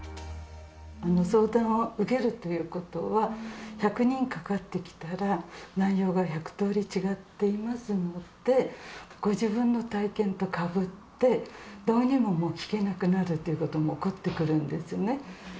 相談を受けるということは、１００人かかってきたら内容が１００とおり違っていますので、ご自分の体験とかぶって、どうにももう聞けなくなるということも起こってくるんですね。